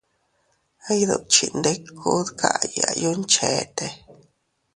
Iydukchindiku dkayaa yuncheete.